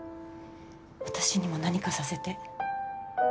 私にも何かさせて。